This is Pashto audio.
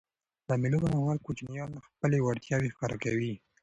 د مېلو پر مهال کوچنيان خپلي وړتیاوي ښکاره کوي.